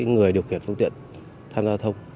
người điều khiển phương tiện tham gia giao thông